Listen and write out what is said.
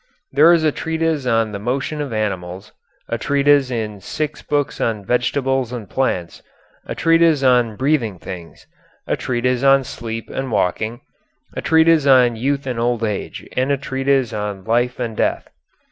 There is a treatise on the motion of animals, a treatise in six books on vegetables and plants, a treatise on breathing things, a treatise on sleep and waking, a treatise on youth and old age, and a treatise on life and death.